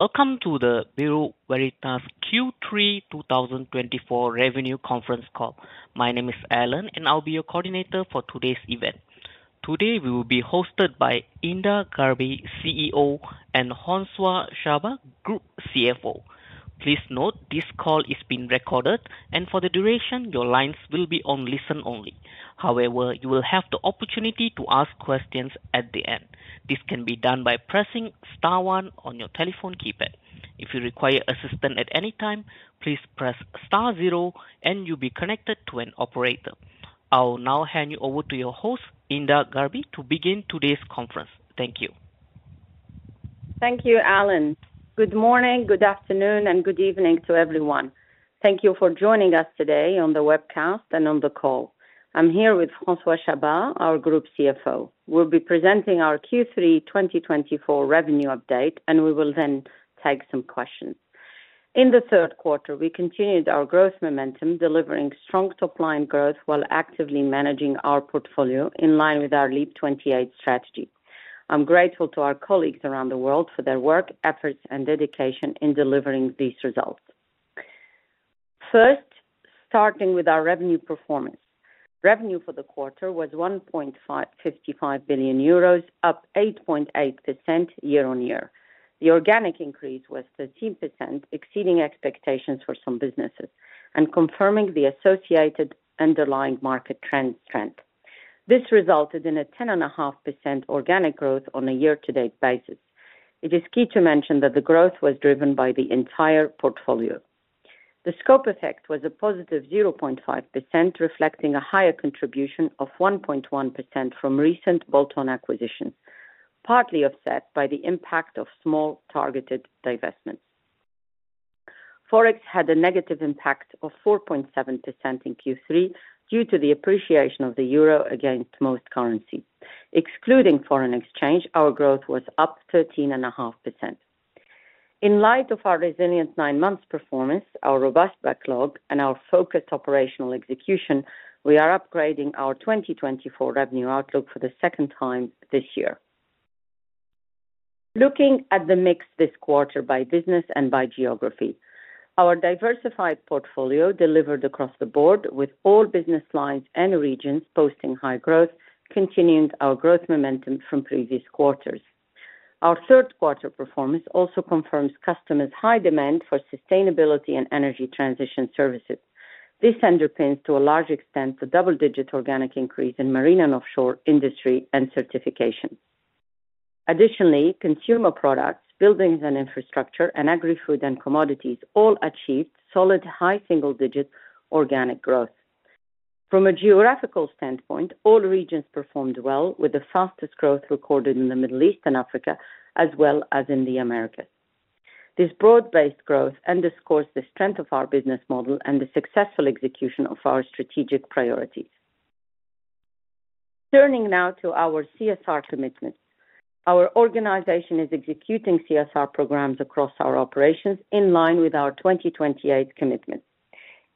Welcome to the Bureau Veritas Q3 2024 Revenue Conference Call. My name is Alan, and I'll be your coordinator for today's event. Today, we will be hosted by Hinda Gharbi, CEO, and François Chabas, Group CFO. Please note this call is being recorded, and for the duration, your lines will be on listen only. However, you will have the opportunity to ask questions at the end. This can be done by pressing star one on your telephone keypad. If you require assistance at any time, please press star zero, and you'll be connected to an operator. I'll now hand you over to your host, Hinda Gharbi, to begin today's conference. Thank you. Thank you, Alan. Good morning, good afternoon, and good evening to everyone. Thank you for joining us today on the webcast and on the call. I'm here with François Chabas, our Group CFO. We'll be presenting our Q3 2024 revenue update, and we will then take some questions. In the third quarter, we continued our growth momentum, delivering strong top-line growth while actively managing our portfolio in line with our LEAP | 28 strategy. I'm grateful to our colleagues around the world for their work, efforts, and dedication in delivering these results. First, starting with our revenue performance. Revenue for the quarter was 1.555 billion euros, up 8.8% year-on-year. The organic increase was 13%, exceeding expectations for some businesses and confirming the associated underlying market trend. This resulted in a 10.5% organic growth on a year-to-date basis. It is key to mention that the growth was driven by the entire portfolio. The scope effect was a positive 0.5%, reflecting a higher contribution of 1.1% from recent bolt-on acquisitions, partly offset by the impact of small, targeted divestments. Forex had a negative impact of 4.7% in Q3 due to the appreciation of the euro against most currencies. Excluding foreign exchange, our growth was up 13.5%. In light of our resilient nine months performance, our robust backlog, and our focused operational execution, we are upgrading our 2024 revenue outlook for the second time this year. Looking at the mix this quarter by business and by geography, our diversified portfolio delivered across the board, with all business lines and regions posting high growth, continuing our growth momentum from previous quarters. Our third quarter performance also confirms customers' high demand for Sustainability and energy transition services. This underpins, to a large extent, the double-digit organic increase in Marine & Offshore, Industry, and Certification. Additionally, Consumer Products, Buildings & Infrastructure, and Agri-Food & Commodities all achieved solid, high single-digit organic growth. From a geographical standpoint, all regions performed well, with the fastest growth recorded in the Middle East and Africa, as well as in the Americas. This broad-based growth underscores the strength of our business model and the successful execution of our strategic priorities. Turning now to our CSR commitments. Our organization is executing CSR programs across our operations in line with our 2028 commitments.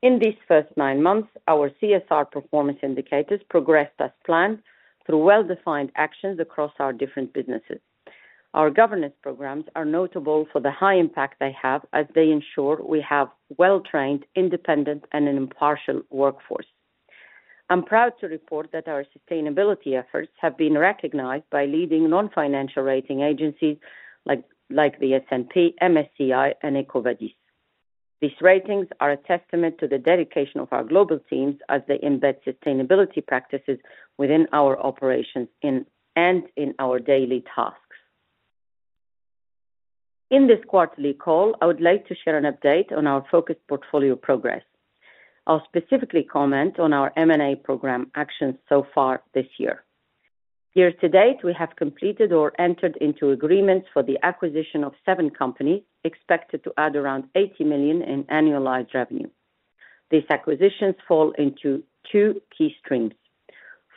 In these first nine months, our CSR performance indicators progressed as planned through well-defined actions across our different businesses. Our governance programs are notable for the high impact they have, as they ensure we have well-trained, independent, and an impartial workforce. I'm proud to report that our Sustainability efforts have been recognized by leading non-financial rating agencies like the S&P, MSCI, and EcoVadis. These ratings are a testament to the dedication of our global teams as they embed Sustainability practices within our operations and in our daily tasks. In this quarterly call, I would like to share an update on our focused portfolio progress. I'll specifically comment on our M&A program actions so far this year. Year to date, we have completed or entered into agreements for the acquisition of seven companies, expected to add around 80 million in annualized revenue. These acquisitions fall into two key streams.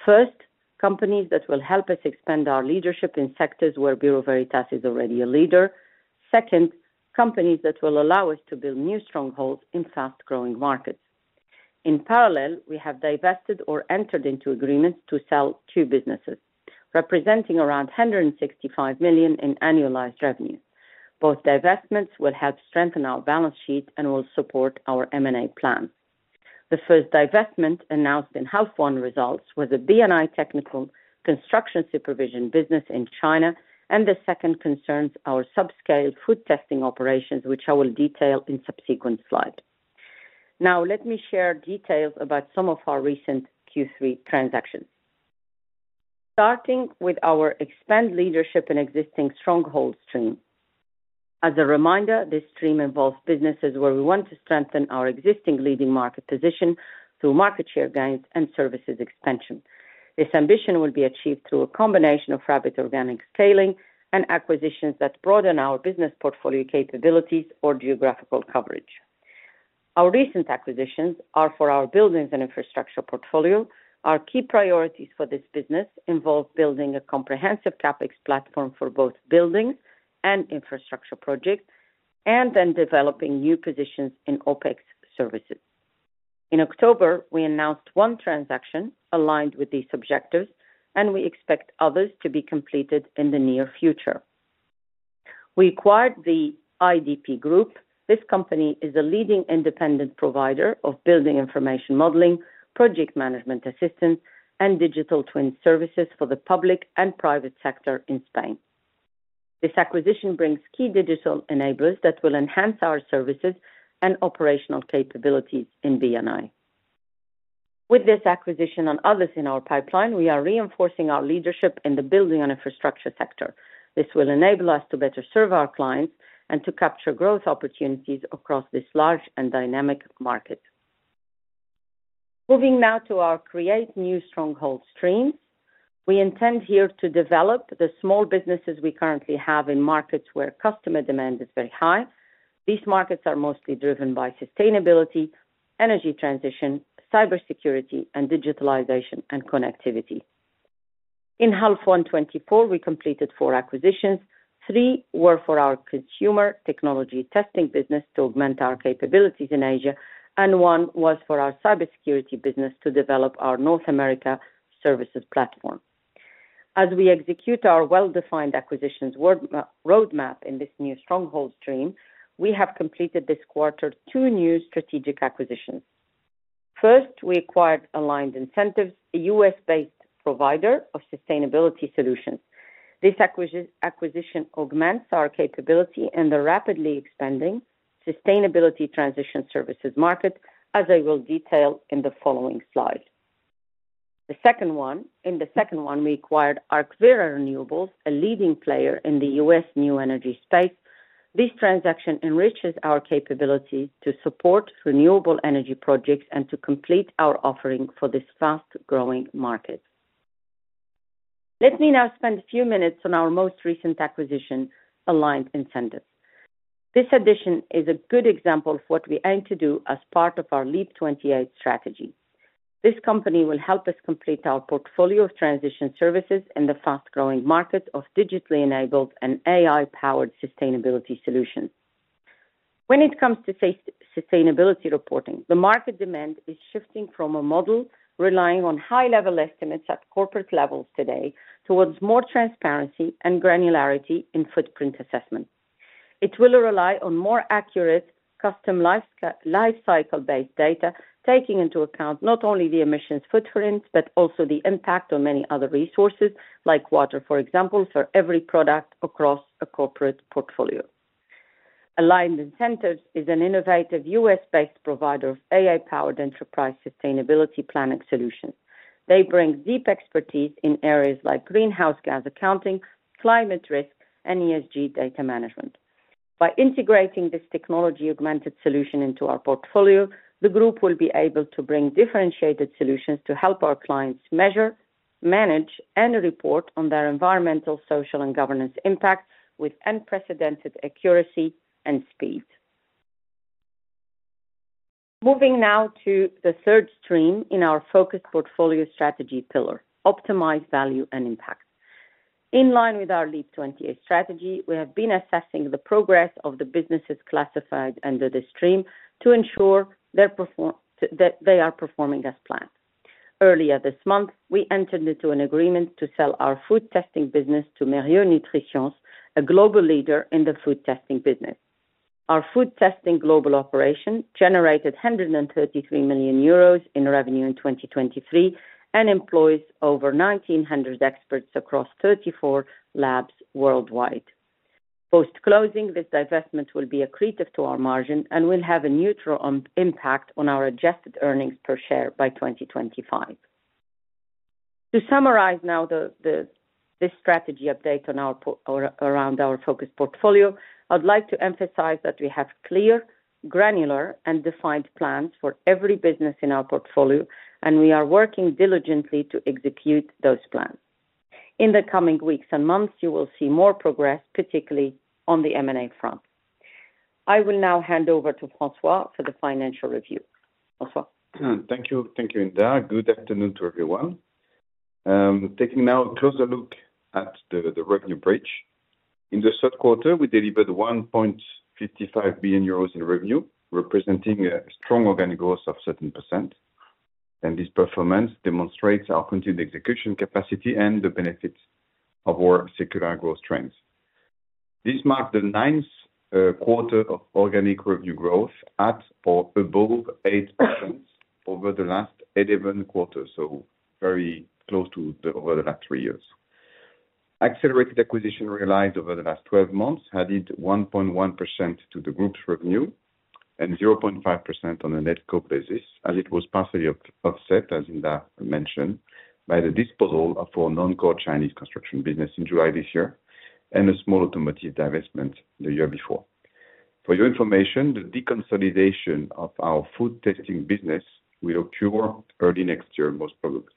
First, companies that will help us expand our leadership in sectors where Bureau Veritas is already a leader. Second, companies that will allow us to build new strongholds in fast-growing markets. In parallel, we have divested or entered into agreements to sell two businesses, representing around 165 million in annualized revenue. Both divestments will help strengthen our balance sheet and will support our M&A plan. The first divestment, announced in H1 results, was a B&I technical construction supervision business in China, and the second concerns our subscale food testing operations, which I will detail in subsequent slides. Now, let me share details about some of our recent Q3 transactions. Starting with our expand leadership in existing stronghold stream. As a reminder, this stream involves businesses where we want to strengthen our existing leading market position through market share gains and services expansion. This ambition will be achieved through a combination of rapid organic scaling and acquisitions that broaden our business portfolio capabilities or geographical coverage. Our recent acquisitions are for our Buildings & Infrastructure portfolio. Our key priorities for this business involve building a comprehensive CapEx platform for both Buildings & Infrastructure projects, and then developing new positions in OpEx services. In October, we announced one transaction aligned with these objectives, and we expect others to be completed in the near future. We acquired the IDP Group. This company is a leading independent provider of building information modeling, project management assistance, and digital twin services for the public and private sector in Spain. This acquisition brings key digital enablers that will enhance our services and operational capabilities in B&I. With this acquisition and others in our pipeline, we are reinforcing our leadership in the building and infrastructure sector. This will enable us to better serve our clients and to capture growth opportunities across this large and dynamic market. Moving now to our create new stronghold stream. We intend here to develop the small businesses we currently have in markets where customer demand is very high. These markets are mostly driven by Sustainability, energy transition, cybersecurity, and digitalization and connectivity. In H1 2024, we completed four acquisitions. Three were for our consumer technology testing business to augment our capabilities in Asia, and one was for our cybersecurity business to develop our North America services platform. As we execute our well-defined acquisitions work roadmap in this new stronghold stream, we have completed this quarter two new strategic acquisitions. First, we acquired Aligned Incentives, a U.S.-based provider of Sustainability solutions. This acquisition augments our capability in the rapidly expanding Sustainability transition services market, as I will detail in the following slide. The second one, in the second one, we acquired ArcVera Renewables, a leading player in the U.S. new energy space. This transaction enriches our capability to support renewable energy projects and to complete our offering for this fast-growing market. Let me now spend a few minutes on our most recent acquisition, Aligned Incentives. This addition is a good example of what we aim to do as part of our LEAP | 28 strategy. This company will help us complete our portfolio of transition services in the fast-growing market of digitally enabled and AI-powered Sustainability solutions. When it comes to Sustainability reporting, the market demand is shifting from a model relying on high-level estimates at corporate levels today, towards more transparency and granularity in footprint assessment. It will rely on more accurate custom life, life-cycle-based data, taking into account not only the emissions footprints, but also the impact on many other resources, like water, for example, for every product across a corporate portfolio. Aligned Incentives is an innovative U.S.-based provider of AI-powered enterprise Sustainability planning solutions. They bring deep expertise in areas like greenhouse gas accounting, climate risk, and ESG data management. By integrating this technology-augmented solution into our portfolio, the group will be able to bring differentiated solutions to help our clients measure, manage, and report on their environmental, social, and governance impact with unprecedented accuracy and speed. Moving now to the third stream in our focused portfolio strategy pillar: optimized value and impact. In line with our LEAP | 28 strategy, we have been assessing the progress of the businesses classified under the stream to ensure that they are performing as planned. Earlier this month, we entered into an agreement to sell our food testing business to Mérieux NutriSciences, a global leader in the food testing business. Our food testing global operation generated 133 million euros in revenue in 2023, and employs over 1,900 experts across 34 labs worldwide. Post-closing, this divestment will be accretive to our margin and will have a neutral impact on our adjusted earnings per share by 2025. To summarize now this strategy update on or around our focus portfolio, I'd like to emphasize that we have clear, granular, and defined plans for every business in our portfolio, and we are working diligently to execute those plans. In the coming weeks and months, you will see more progress, particularly on the M&A front. I will now hand over to François for the financial review. François? Thank you. Thank you, Hinda. Good afternoon to everyone. Taking now a closer look at the revenue bridge. In the third quarter, we delivered 1.55 billion euros in revenue, representing a strong organic growth of 7%, and this performance demonstrates our continued execution capacity and the benefits of our secular growth trends. This marked the ninth quarter of organic revenue growth at or above 8% over the last 11 quarters, so very close to over the last three years. Accelerated acquisition realized over the last 12 months added 1.1% to the group's revenue and 0.5% on a net scope basis, as it was partially offset, as Hinda mentioned, by the disposal of our non-core Chinese construction business in July this year, and a small automotive divestment the year before. For your information, the deconsolidation of our food testing business will occur early next year, most probably.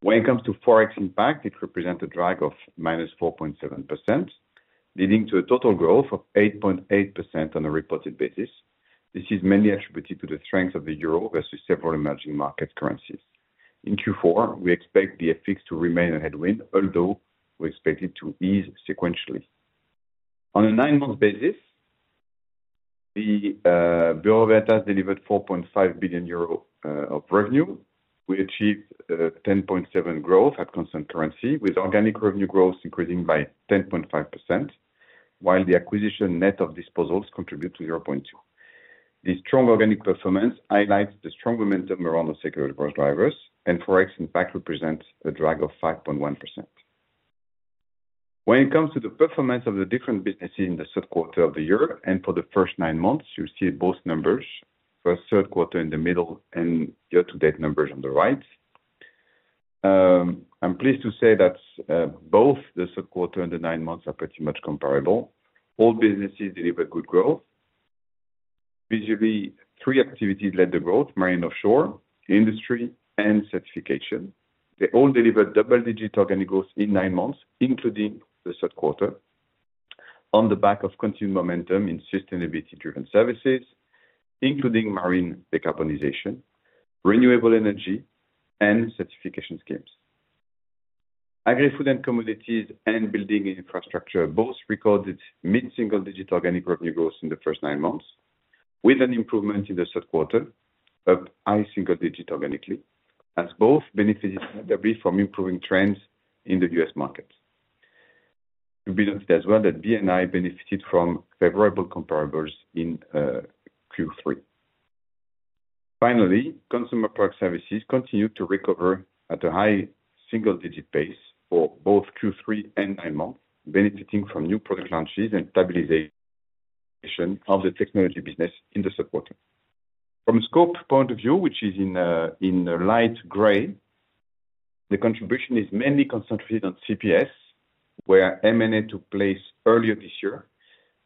When it comes to Forex impact, it represent a drag of -4.7%, leading to a total growth of 8.8% on a reported basis. This is mainly attributed to the strength of the euro versus several emerging market currencies. In Q4, we expect the FX to remain a headwind, although we expect it to ease sequentially. On a nine-month basis, the Bureau Veritas delivered 4.5 billion euro of revenue. We achieved 10.7% growth at constant currency, with organic revenue growth increasing by 10.5%, while the acquisition net of disposals contribute to 0.2. The strong organic performance highlights the strong momentum around the security growth drivers, and Forex impact represents a drag of 5.1%. When it comes to the performance of the different businesses in the third quarter of the year, and for the first nine months, you see both numbers. For third quarter in the middle and year-to-date numbers on the right. I'm pleased to say that both the third quarter and the nine months are pretty much comparable. All businesses delivered good growth. Visibly, three activities led the growth, Marine & Offshore, Industry, and Certification. They all delivered double-digit organic growth in nine months, including the third quarter, on the back of continued momentum in Sustainability-driven services, including marine decarbonization, renewable energy, and Certification schemes. Agri-Food & Commodities and Buildings & Infrastructure both recorded mid-single-digit organic revenue growth in the first nine months, with an improvement in the third quarter of high single-digit organically, as both benefited from improving trends in the U.S. market. We believe as well that B&I benefited from favorable comparables in Q3. Finally, Consumer Products Services continued to recover at a high single-digit pace for both Q3 and nine months, benefiting from new product launches and stabilization of the technology business in the third quarter. From a scope point of view, which is in light gray, the contribution is mainly concentrated on CPS, where M&A took place earlier this year.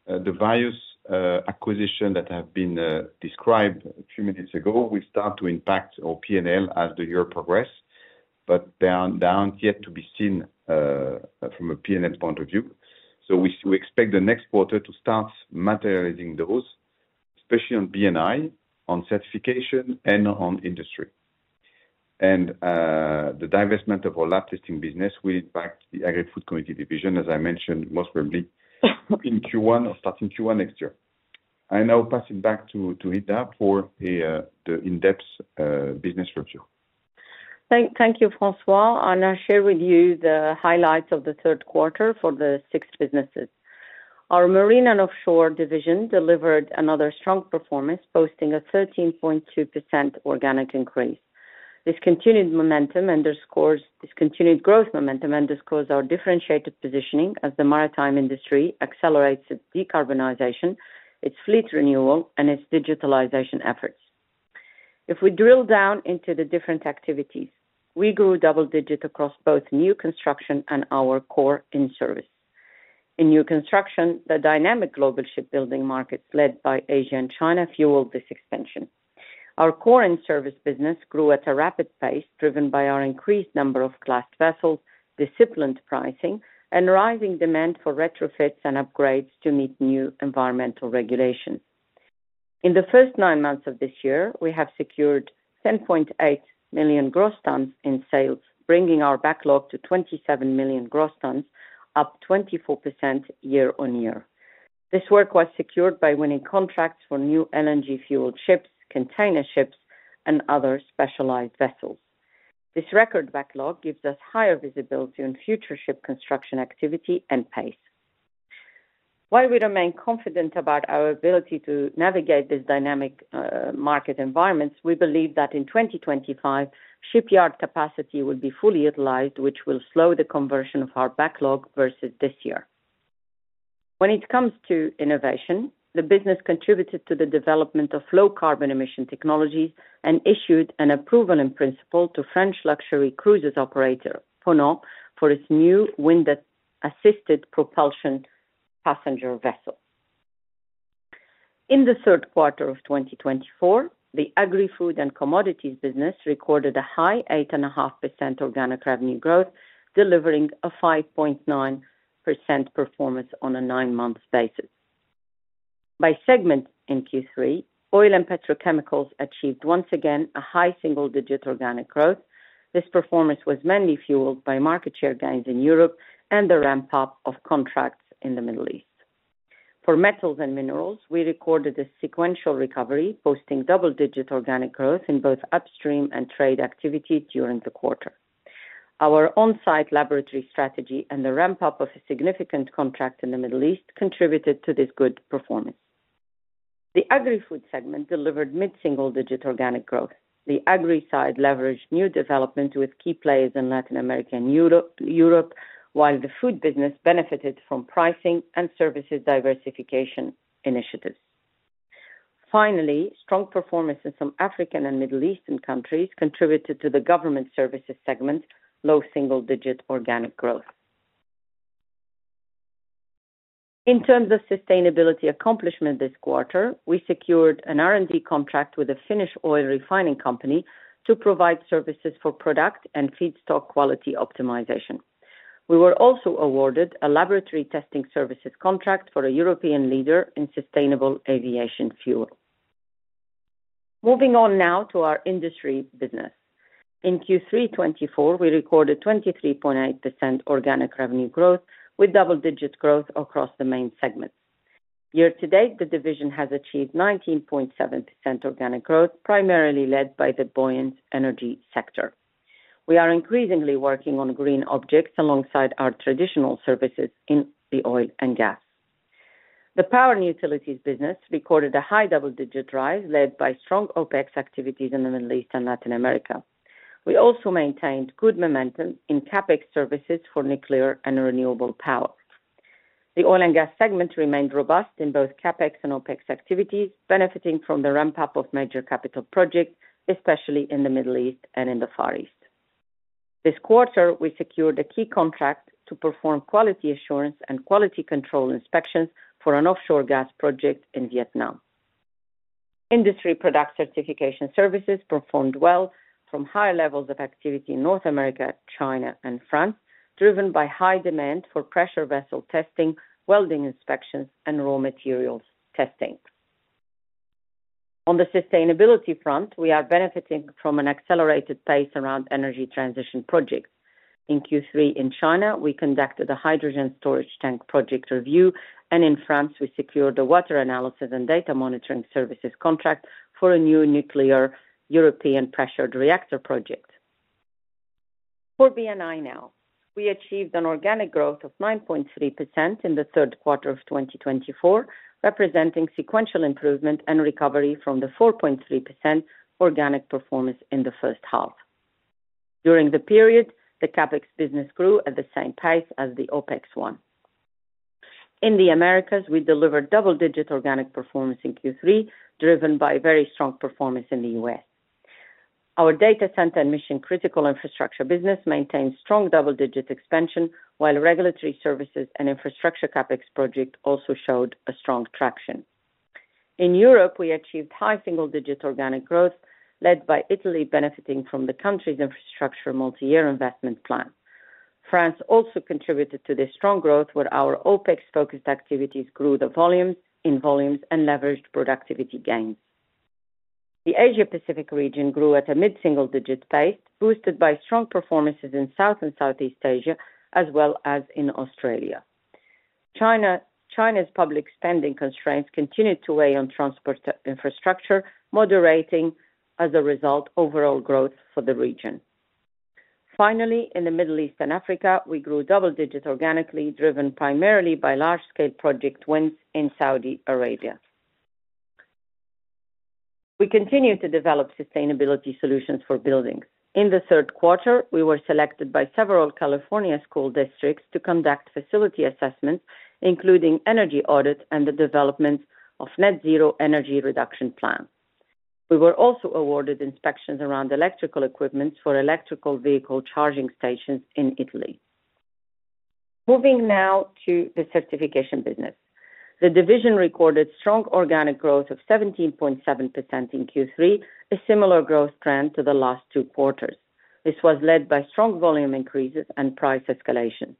The various acquisition that have been described a few minutes ago will start to impact our P&L as the year progress, but they are, they aren't yet to be seen from a P&L point of view. So we expect the next quarter to start materializing those, especially on B&I, on Certification, and on Industry. The divestment of our lab testing business will impact the Agri-Food & Commodities division, as I mentioned, most probably in Q1 or starting Q1 next year. I now pass it back to Hinda for the in-depth business review. Thank you, François. I'll now share with you the highlights of the third quarter for the six businesses. Our Marine & Offshore division delivered another strong performance, posting a 13.2% organic increase. This continued growth momentum underscores our differentiated positioning as the maritime industry accelerates its decarbonization, its fleet renewal, and its digitalization efforts. If we drill down into the different activities, we grew double digits across both New Construction and our Core In-Service. In New Construction, the dynamic global shipbuilding markets, led by Asia and China, fueled this expansion. Our Core In-Service business grew at a rapid pace, driven by our increased number of class vessels, disciplined pricing, and rising demand for retrofits and upgrades to meet new environmental regulations. In the first nine months of this year, we have secured 10.8 million gross tons in sales, bringing our backlog to 27 million gross tons, up 24% year-on-year. This work was secured by winning contracts for new LNG fueled ships, container ships, and other specialized vessels. This record backlog gives us higher visibility on future ship construction activity and pace. While we remain confident about our ability to navigate this dynamic market environments, we believe that in 2025, shipyard capacity will be fully utilized, which will slow the conversion of our backlog versus this year. When it comes to Innovation, the business contributed to the development of low carbon emission technologies and issued an approval in principle to French luxury cruise operator, Ponant, for its new wind-assisted propulsion passenger vessel. In the third quarter of 2024, the Agri-Food & Commodities business recorded a high 8.5% organic revenue growth, delivering a 5.9% performance on a nine-month basis. By segment in Q3, Oil & Petrochemicals achieved once again a high single-digit organic growth. This performance was mainly fueled by market share gains in Europe and the ramp-up of contracts in the Middle East. For Metals & Minerals, we recorded a sequential recovery, posting double-digit organic growth in both upstream and trade activity during the quarter. Our on-site laboratory strategy and the ramp-up of a significant contract in the Middle East contributed to this good performance. The Agri-Food segment delivered mid-single-digit organic growth. The agri side leveraged new development with key players in Latin America and Europe while the food business benefited from pricing and services diversification initiatives. Finally, strong performance in some African and Middle Eastern countries contributed to the government services segment's low double-digit organic growth. In terms of Sustainability accomplishment this quarter, we secured an R&D contract with a Finnish oil refining company to provide services for product and feedstock quality optimization. We were also awarded a laboratory testing services contract for a European leader in sustainable aviation fuel. Moving on now to our Industry business. In Q3 2024, we recorded 23.8% organic revenue growth, with double-digit growth across the main segments. Year to date, the division has achieved 19.7% organic growth, primarily led by the buoyant energy sector. We are increasingly working on green objects alongside our traditional services in the Oil & Gas. The Power & Utilities business recorded a high double-digit rise, led by strong OpEx activities in the Middle East and Latin America. We also maintained good momentum in CapEx services for nuclear and renewable power. The Oil & Gas segment remained robust in both CapEx and OpEx activities, benefiting from the ramp-up of major capital projects, especially in the Middle East and in the Far East. This quarter, we secured a key contract to perform quality assurance and quality control inspections for an offshore gas project in Vietnam. Industry product Certification services performed well from higher levels of activity in North America, China, and France, driven by high demand for pressure vessel testing, welding inspections, and raw materials testing. On the Sustainability front, we are benefiting from an accelerated pace around energy transition projects. In Q3 in China, we conducted a hydrogen storage tank project review, and in France, we secured a water analysis and data monitoring services contract for a new nuclear European Pressurized Reactor project. For B&I now, we achieved an organic growth of 9.3% in the third quarter of 2024, representing sequential improvement and recovery from the 4.3% organic performance in the first half. During the period, the CapEx business grew at the same pace as the OpEx one. In the Americas, we delivered double-digit organic performance in Q3, driven by very strong performance in the U.S. Our data center and mission-critical infrastructure business maintained strong double-digit expansion, while regulatory services and infrastructure CapEx project also showed a strong traction. In Europe, we achieved high single-digit organic growth, led by Italy, benefiting from the country's infrastructure multi-year investment plan. France also contributed to this strong growth, where our OpEx-focused activities grew the volumes and leveraged productivity gains. The Asia Pacific region grew at a mid-single-digit pace, boosted by strong performances in South and Southeast Asia, as well as in Australia. China's public spending constraints continued to weigh on transport infrastructure, moderating, as a result, overall growth for the region. Finally, in the Middle East and Africa, we grew double digits organically, driven primarily by large-scale project wins in Saudi Arabia. We continue to develop sustainability solutions for buildings. In the third quarter, we were selected by several California school districts to conduct facility assessments, including energy audits and the development of net zero energy reduction plans. We were also awarded inspections around electrical equipment for electric vehicle charging stations in Italy. Moving now to the Certification business. The division recorded strong organic growth of 17.7% in Q3, a similar growth trend to the last two quarters. This was led by strong volume increases and price escalation.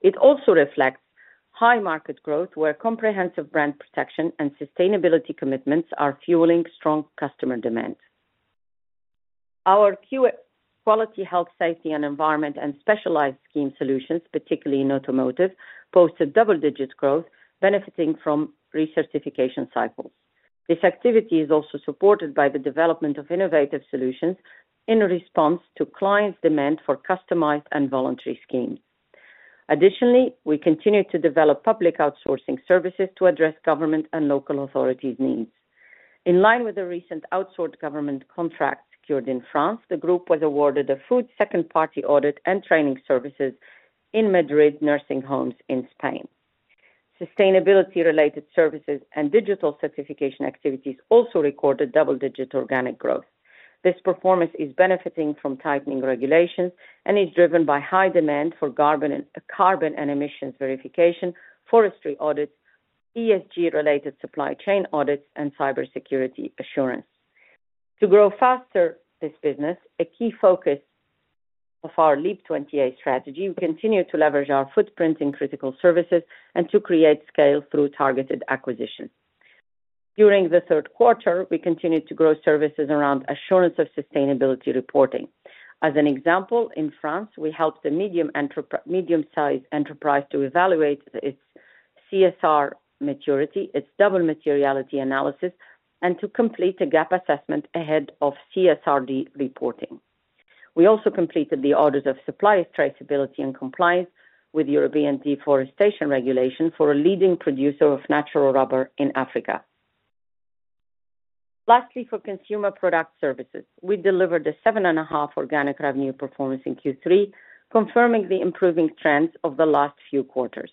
It also reflects high market growth, where comprehensive brand protection and sustainability commitments are fueling strong customer demand. Our quality, health, safety, and environment, and specialized scheme solutions, particularly in automotive, posted double-digit growth benefiting from recertification cycles. This activity is also supported by the development of innovative solutions in response to clients' demand for customized and voluntary schemes. Additionally, we continue to develop public outsourcing services to address government and local authorities' needs. In line with the recent outsourced government contract secured in France, the group was awarded a food second-party audit and training services in Madrid nursing homes in Spain. Sustainability-related services and digital certification activities also recorded double-digit organic growth. This performance is benefiting from tightening regulations and is driven by high demand for carbon and emissions verification, forestry audits, ESG-related supply chain audits, and cybersecurity assurance. To grow faster this business, a key focus of our LEAP | 28 strategy, we continue to leverage our footprint in critical services and to create scale through targeted acquisitions. During the third quarter, we continued to grow services around assurance of sustainability reporting. As an example, in France, we helped a medium-sized enterprise to evaluate its CSR maturity, its double materiality analysis, and to complete a gap assessment ahead of CSRD reporting. We also completed the audit of suppliers' traceability and compliance with European deforestation regulations for a leading producer of natural rubber in Africa. Lastly, for Consumer Products Services, we delivered 7.5% organic revenue growth in Q3, confirming the improving trends of the last few quarters.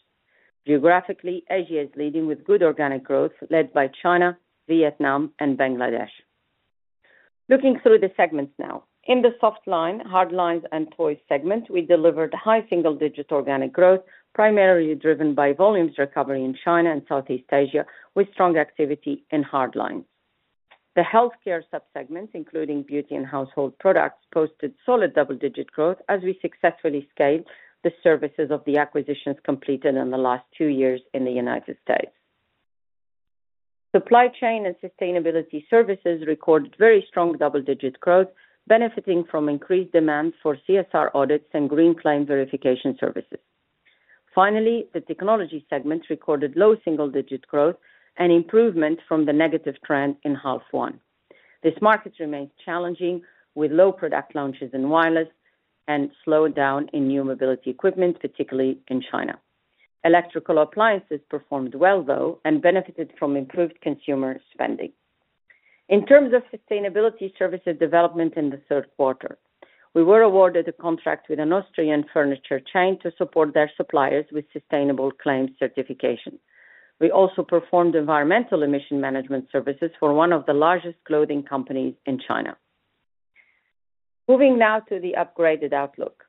Geographically, Asia is leading with good organic growth, led by China, Vietnam, and Bangladesh. Looking through the segments now. In the softlines, hardlines, and toys segment, we delivered high single-digit organic growth, primarily driven by volumes recovery in China and Southeast Asia, with strong activity in hardlines. The healthcare subsegments, including beauty and household products, posted solid double-digit growth as we successfully scaled the services of the acquisitions completed in the last two years in the United States. Supply chain and Sustainability services recorded very strong double-digit growth, benefiting from increased demand for CSR audits and green claim verification services. Finally, the technology segment recorded low single-digit growth, an improvement from the negative trend in first half. This market remains challenging, with low product launches in wireless and slowdown in new mobility equipment, particularly in China. Electrical appliances performed well, though, and benefited from improved consumer spending. In terms of sustainability services development in the third quarter, we were awarded a contract with an Austrian furniture chain to support their suppliers with sustainable claims certification. We also performed environmental emission management services for one of the largest clothing companies in China. Moving now to the upgraded outlook.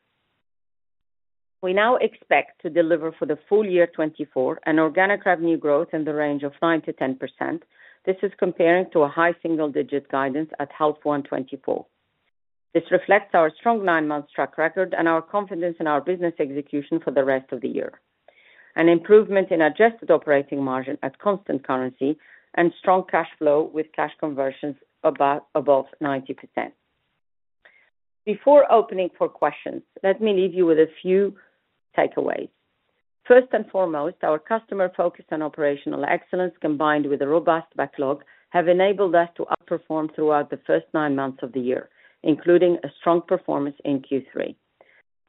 We now expect to deliver for the full year 2024, an organic revenue growth in the range of 9%-10%. This is comparing to a high single digit guidance at half one, 2024. This reflects our strong nine-month track record and our confidence in our business execution for the rest of the year. An improvement in adjusted operating margin at constant currency and strong cash flow with cash conversions above 90%. Before opening for questions, let me leave you with a few takeaways. First and foremost, our customer focus on operational excellence, combined with a robust backlog, have enabled us to outperform throughout the first nine months of the year, including a strong performance in Q3.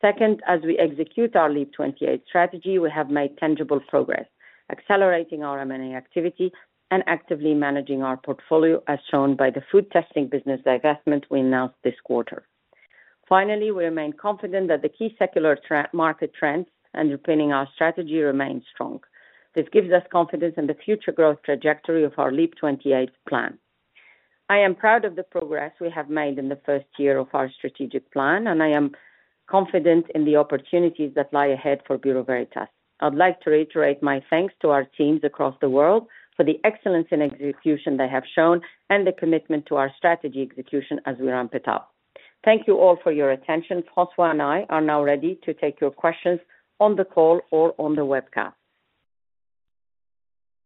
Second, as we execute our LEAP | 28 strategy, we have made tangible progress, accelerating our M&A activity and actively managing our portfolio, as shown by the food testing business divestment we announced this quarter. Finally, we remain confident that the key secular market trends underpinning our strategy remain strong. This gives us confidence in the future growth trajectory of our LEAP | 28 plan. I am proud of the progress we have made in the first year of our strategic plan, and I am confident in the opportunities that lie ahead for Bureau Veritas. I'd like to reiterate my thanks to our teams across the world for the excellence in execution they have shown and the commitment to our strategy execution as we ramp it up. Thank you all for your attention. François and I are now ready to take your questions on the call or on the webcast.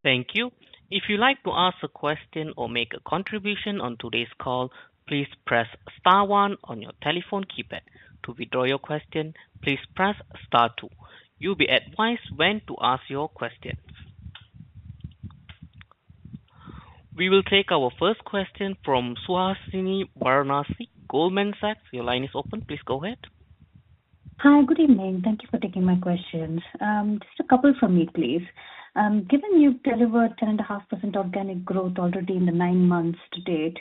Thank you. If you'd like to ask a question or make a contribution on today's call, please press star one on your telephone keypad. To withdraw your question, please press star two. You'll be advised when to ask your question. We will take our first question from Suhasini Varanasi, Goldman Sachs. Your line is open. Please go ahead. Hi. Good evening. Thank you for taking my questions. Just a couple from me, please. Given you've delivered 10.5% organic growth already in the nine months to date,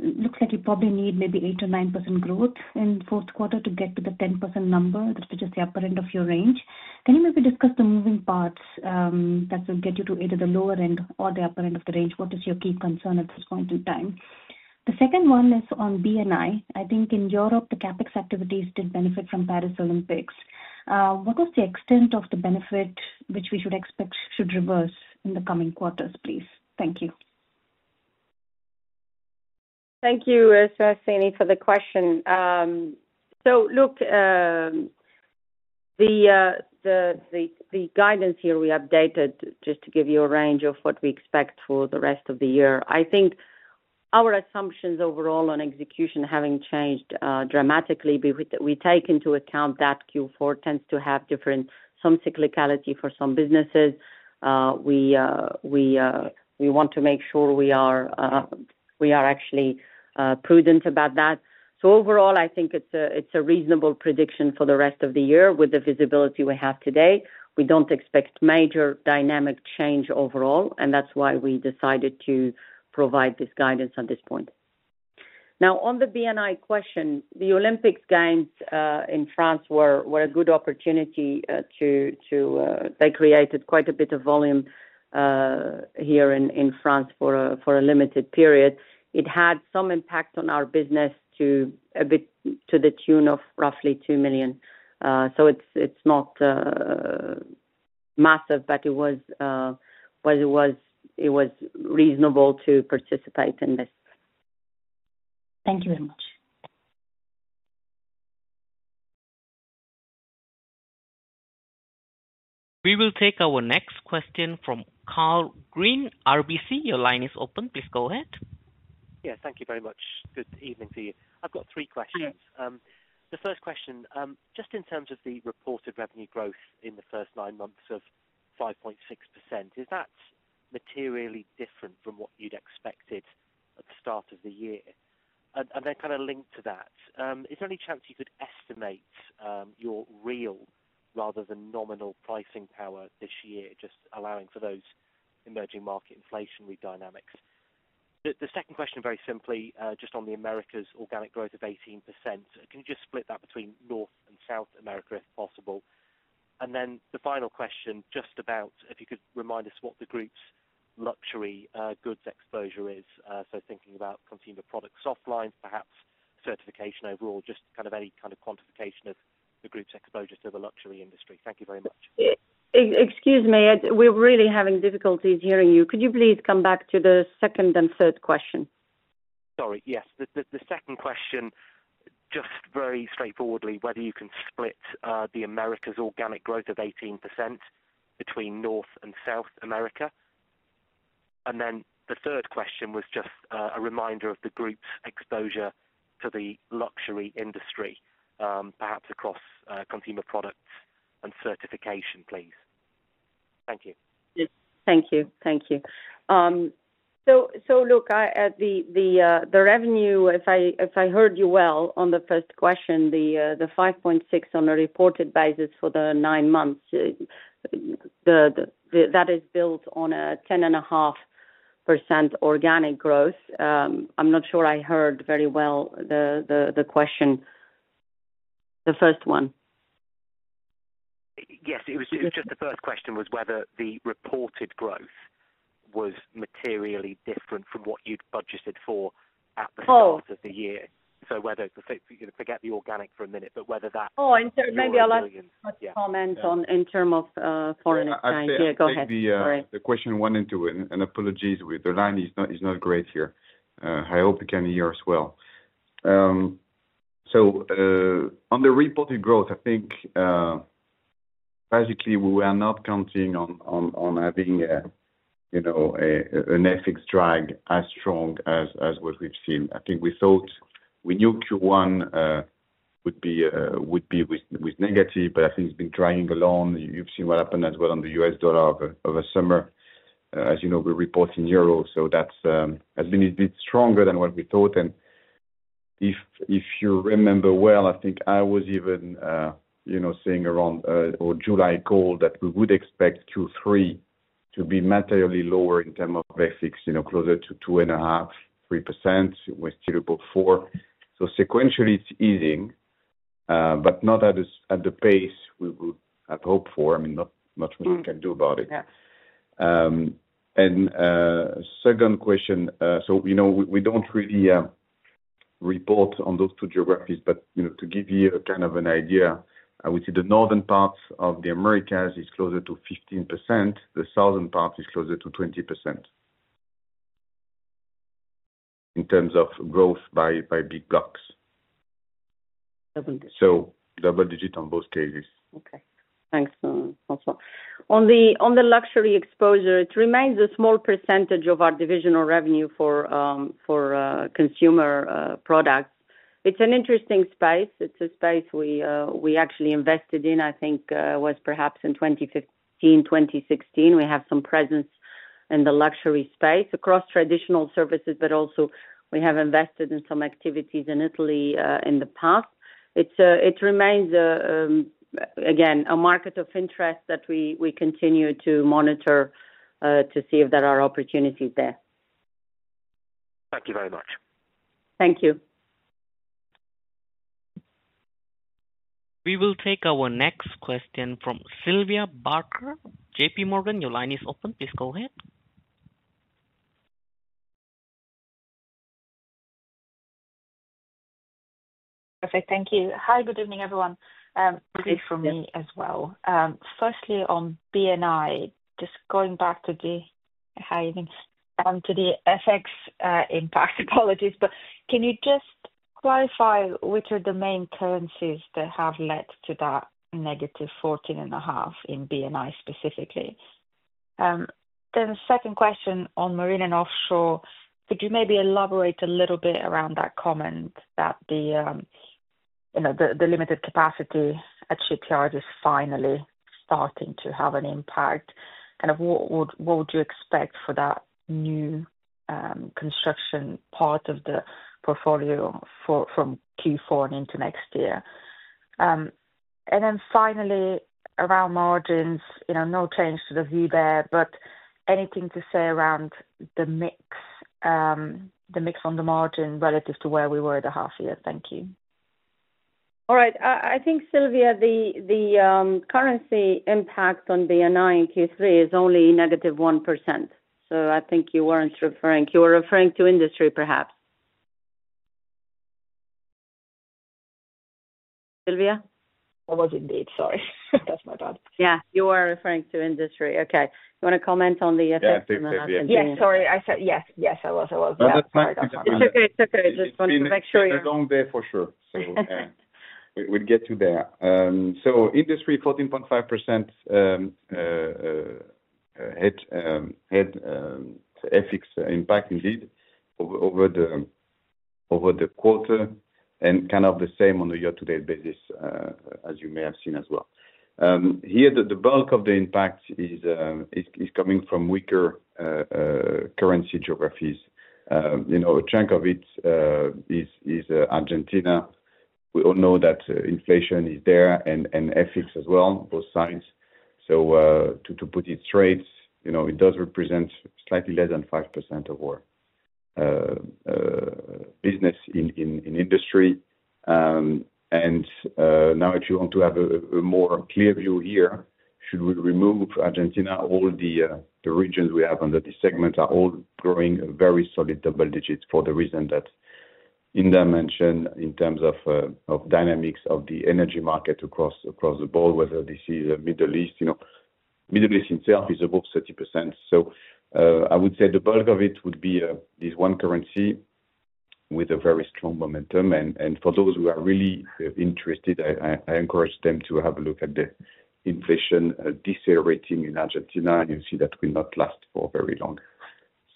looks like you probably need maybe 8% or 9% growth in fourth quarter to get to the 10% number, which is the upper end of your range. Can you maybe discuss the moving parts that will get you to either the lower end or the upper end of the range? What is your key concern at this point in time? The second one is on B&I. I think in Europe, the CapEx activities did benefit from Paris Olympics. What was the extent of the benefit, which we should expect should reverse in the coming quarters, please? Thank you. Thank you, Suhasini, for the question. So look, the guidance here, we updated just to give you a range of what we expect for the rest of the year. I think our assumptions overall on execution haven't changed dramatically. We take into account that Q4 tends to have different some cyclicality for some businesses. We want to make sure we are actually prudent about that. So overall, I think it's a reasonable prediction for the rest of the year with the visibility we have today. We don't expect major dynamic change overall, and that's why we decided to provide this guidance at this point. Now, on the B&I question, the Olympic Games in France were a good opportunity. They created quite a bit of volume here in France for a limited period. It had some impact on our business to the tune of roughly 2 million. So it's not massive, but it was reasonable to participate in this. Thank you very much. We will take our next question from Karl Green, RBC. Your line is open. Please go ahead. Yeah, thank you very much. Good evening to you. I've got three questions. Sure. The first question, just in terms of the reported revenue growth in the first nine months of 5.6%, is that materially different from what you'd expected at the start of the year? And then kind of linked to that, is there any chance you could estimate your real rather than nominal pricing power this year, just allowing for those emerging market inflationary dynamics? The second question, very simply, just on the Americas organic growth of 18%, can you just split that between North and South America, if possible? And then the final question, just about if you could remind us what the group's luxury goods exposure is. So thinking about consumer products, soft lines, perhaps certification overall, just kind of any kind of quantification of the group's exposure to the luxury industry. Thank you very much. Excuse me, we're really having difficulties hearing you. Could you please come back to the second and third question?... Sorry, yes. The second question, just very straightforwardly, whether you can split the Americas' organic growth of 18% between North and South America? And then the third question was just a reminder of the group's exposure to the luxury industry, perhaps across consumer products and certification, please. Thank you. Yes. Thank you. Thank you. Look at the revenue, if I heard you well on the first question, the 5.6% on a reported basis for the nine months, that is built on a 10.5% organic growth. I'm not sure I heard very well the question. The first one? Yes, it was- Yes. Just the first question was whether the reported growth was materially different from what you'd budgeted for at the- Oh. start of the year. So whether, forget the organic for a minute, but whether that- Oh, and so maybe I'll ask, let's comment on in terms of foreign exchange. Yeah, go ahead. Sorry. The questions one and two, and apologies, the line is not great here. I hope you can hear us well. On the reported growth, I think basically we are not counting on having, you know, an FX drag as strong as what we've seen. I think we thought we knew Q1 would be with negative, but I think it's been dragging along. You've seen what happened as well on the U.S. dollar over summer. As you know, we report in euro, so that's been a bit stronger than what we thought. If you remember well, I think I was even, you know, saying around the July call that we would expect Q3 to be materially lower in terms of EBITA, you know, closer to 2.5%-3%. We still report 4%. So sequentially, it's easing, but not at the pace we would have hoped for. I mean, not much more we can do about it. Yeah. Second question. You know, we don't really report on those two geographies, but you know, to give you kind of an idea, I would say the northern parts of the Americas is closer to 15%, the southern part is closer to 20%, in terms of growth by big blocks. Double digit. Double digit on both cases. Okay. Thanks, also. On the luxury exposure, it remains a small percentage of our divisional revenue for consumer products. It's an interesting space. It's a space we actually invested in, I think was perhaps in 2015, 2016. We have some presence in the luxury space across traditional services, but also we have invested in some activities in Italy in the past. It remains again a market of interest that we continue to monitor to see if there are opportunities there. Thank you very much. Thank you. We will take our next question from Sylvia Barker, JPMorgan. Your line is open. Please go ahead. Perfect. Thank you. Hi, good evening, everyone. Great from me as well. Firstly, on B&I, just going back to the FX impact. Apologies, but can you just clarify which are the main currencies that have led to that negative 14.5% in B&I, specifically? Then the second question on Marine & Offshore, could you maybe elaborate a little bit around that comment that the, you know, the limited capacity at shipyard is finally starting to have an impact? Kind of what would you expect for that New Construction part of the portfolio from Q4 and into next year? And then finally, around margins, you know, no change to the view there, but anything to say around the mix, the mix on the margin relative to where we were at the half year? Thank you. All right. I think, Sylvia, the currency impact on B&I in Q3 is only negative 1%. So I think you weren't referring... You were referring to Industry, perhaps. Sylvia? That was indeed. Sorry. That's my bad. Yeah, you were referring to Industry. Okay. You want to comment on the FX- Yeah, FX, yeah. Yeah, sorry. I said yes. Yes, I was, I was. No, that's fine. Sorry about that. It's okay. It's okay. I just wanted to make sure. It's a long day for sure. So, we'll get you there. So Industry 14.5% had FX impact indeed over the quarter, and kind of the same on a year-to-date basis, as you may have seen as well. Here, the bulk of the impact is coming from weaker currency geographies. You know, a chunk of it is Argentina. We all know that inflation is there and FX as well, both sides. So, to put it straight, you know, it does represent slightly less than 5% of our business in Industry. Now, if you want to have a more clear view here, should we remove Argentina? All the regions we have under this segment are all growing very solid double digits for the reason that in dimension, in terms of dynamics of the energy market across the board, whether this is the Middle East, you know. Middle East itself is above 30%. So, I would say the bulk of it would be this one currency with a very strong momentum. And for those who are really interested, I encourage them to have a look at the inflation decelerating in Argentina, and you see that will not last for very long.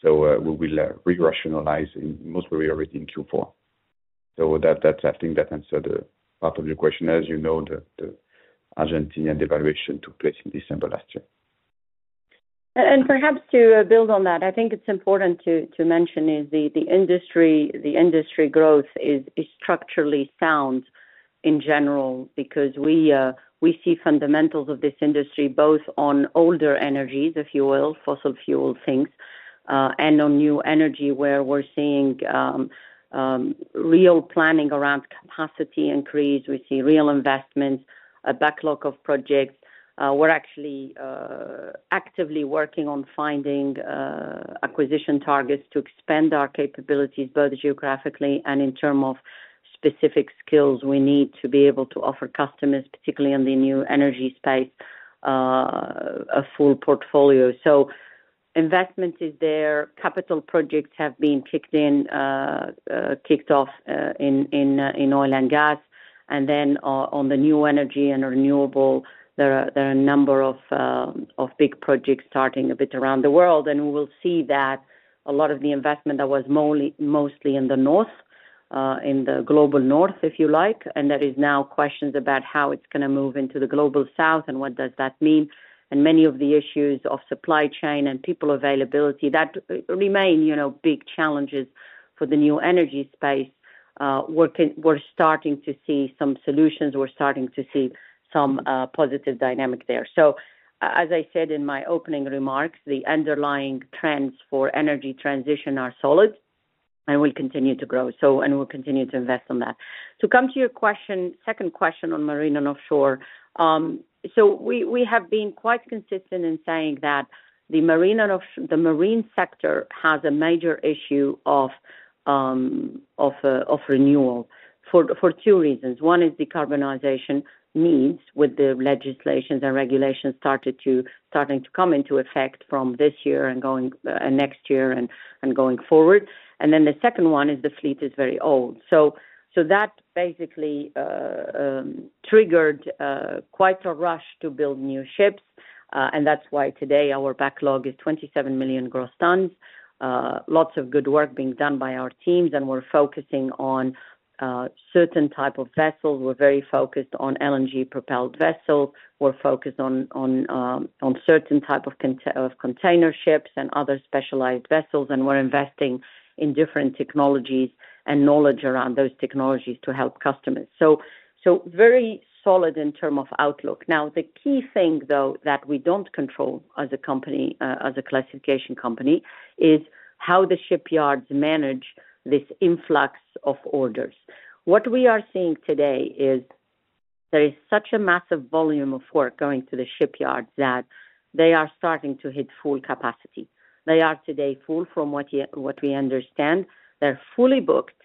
So, we will re-rationalize, most probably already in Q4. So that, that's, I think that answered part of your question. As you know, the Argentina devaluation took place in December last year. Perhaps to build on that, I think it's important to mention is the Industry growth is structurally sound in general because we see fundamentals of this Industry, both on older energies, if you will, fossil fuel things, and on new energy, where we're seeing real planning around capacity increase. We see real investments, a backlog of projects. We're actually actively working on finding acquisition targets to expand our capabilities both geographically and in term of specific skills we need to be able to offer customers, particularly in the new energy space, a full portfolio. Investment is there. Capital projects have been kicked off in Oil & Gas. And then on the new energy and renewable, there are a number of big projects starting a bit around the world. We will see that a lot of the investment that was mostly in the North, in the Global North, if you like, and there is now questions about how it's gonna move into the Global South, and what does that mean? Many of the issues of supply chain and people availability that remain, you know, big challenges for the new energy space. We're starting to see some solutions. We're starting to see some positive dynamic there. So as I said in my opening remarks, the underlying trends for energy transition are solid and will continue to grow, so, and we'll continue to invest on that. To come to your second question on Marine & Offshore. So we have been quite consistent in saying that the marine sector has a major issue of renewal for two reasons. One is decarbonization needs with the legislations and regulations starting to come into effect from this year and going and next year and going forward. And then the second one is the fleet is very old. So that basically triggered quite a rush to build new ships, and that's why today our backlog is 27 million gross tons. Lots of good work being done by our teams, and we're focusing on certain type of vessels. We're very focused on LNG-propelled vessels. We're focused on certain type of container ships and other specialized vessels, and we're investing in different technologies and knowledge around those technologies to help customers. So very solid in term of outlook. Now, the key thing, though, that we don't control as a company, as a classification company, is how the shipyards manage this influx of orders. What we are seeing today is there is such a massive volume of work going to the shipyards, that they are starting to hit full capacity. They are today full from what we understand. They're fully booked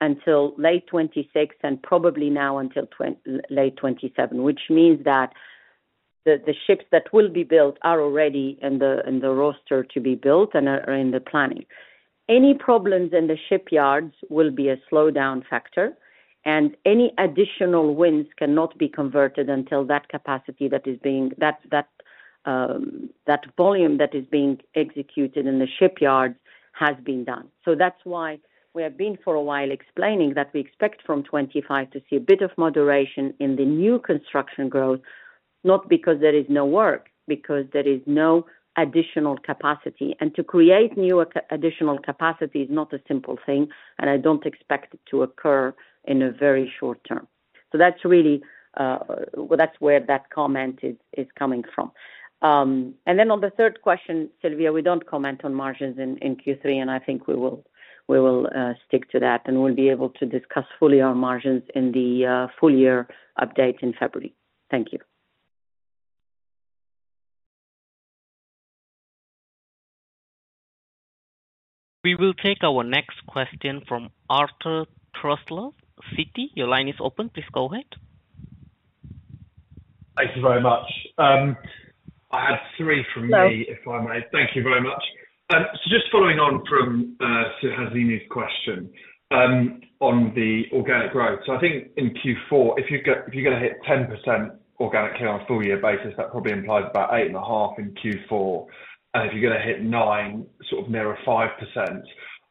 until late 2026 and probably now until late 2027, which means that the ships that will be built are already in the roster to be built and are in the planning. Any problems in the shipyards will be a slowdown factor, and any additional wins cannot be converted until that capacity that is being, that volume that is being executed in the shipyards has been done. So that's why we have been for a while explaining that we expect from 2025 to see a bit of moderation in the New Construction growth, not because there is no work, because there is no additional capacity. And to create additional capacity is not a simple thing, and I don't expect it to occur in a very short term. So that's really, well, that's where that comment is coming from. On the third question, Sylvia, we don't comment on margins in Q3, and I think we will stick to that, and we'll be able to discuss fully our margins in the full year update in February. Thank you. We will take our next question from Arthur Truslove, Citi. Your line is open. Please go ahead. Thank you very much. I have three from me- Hello. If I may. Thank you very much. So just following on from Suhasini's question on the organic growth. So I think in Q4, if you're gonna hit 10% organically on a full year basis, that probably implies about 8.5% in Q4. And if you're gonna hit 9%, sort of near 5%,